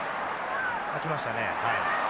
空きましたね。